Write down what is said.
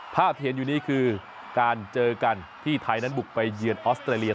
ภาพที่เห็นอยู่นี้คือการเจอกันที่ไทยนั้นบุกไปเยือนออสเตรเลีย